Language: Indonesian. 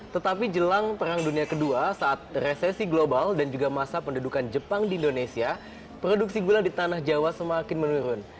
tetapi jelang perang dunia ii saat resesi global dan juga masa pendudukan jepang di indonesia produksi gula di tanah jawa semakin menurun